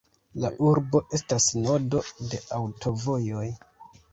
La urbo estas nodo de aŭtovojoj.